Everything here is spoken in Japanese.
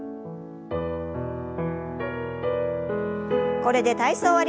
これで体操を終わります。